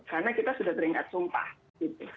karena kita sudah teringat sumpah gitu